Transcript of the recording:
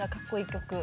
曲」？